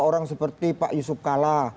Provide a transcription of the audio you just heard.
orang seperti pak yusuf kalla